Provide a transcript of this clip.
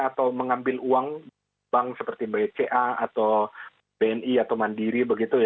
atau mengambil uang bank seperti bca atau bni atau mandiri